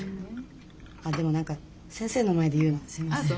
あっでも何か先生の前で言うのすみません。